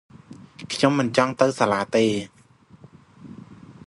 ខ្ញុំមិនចង់ទៅសាលារៀនទេ ។